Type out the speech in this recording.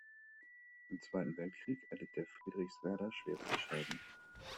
Im Zweiten Weltkrieg erlitt der Friedrichswerder schwerste Schäden.